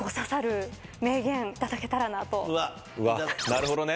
なるほどね。